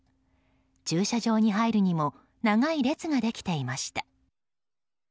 駐車場に入るにも長い列ができていました。